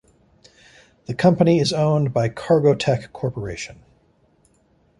The company is owned by the Cargotec Corporation.